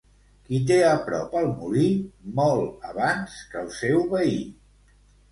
Qui té a prop el molí, mol abans que el seu veí.